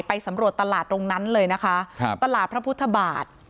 สำรวจตลาดตรงนั้นเลยนะคะครับตลาดพระพุทธบาท